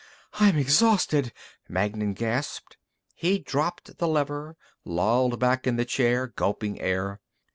"I'm exhausted," Magnan gasped. He dropped the lever, lolled back in the chair, gulping air.